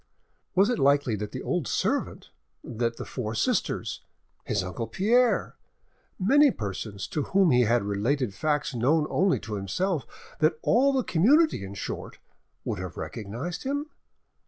Was it likely that the old servant, that the four sisters, his uncle Pierre, many persons to whom he had related facts known only to himself, that all the community in short, would have recognised him?